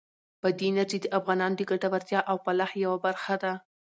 بادي انرژي د افغانانو د ګټورتیا او فلاح یوه برخه ده.